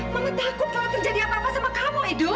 mama takut kalau terjadi apa apa sama kamu edo